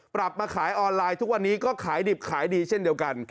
ปรับมาขายออนไลน์ทุกวันนี้ก็ขายดิบขายดีเช่นเดียวกัน